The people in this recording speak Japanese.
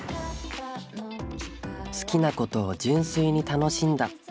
好きなことを純粋に「楽しんだ」